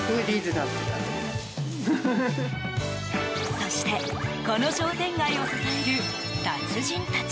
そしてこの商店街を支える達人たち。